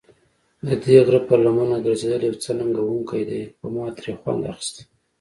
ددې غره پر لمنه ګرځېدل یو څه ننګوونکی دی، خو ما ترې خوند اخیسته.